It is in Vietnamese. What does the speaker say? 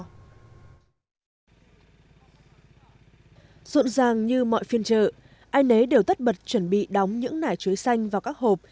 rộn ràng như mọi phiên trợ ai nấy đều tất bật chuẩn bị đóng những nải chuối xanh vào các hộp